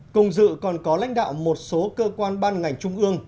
cùng dự còn có lãnh đạo một số cơ quan ban ngành trung ương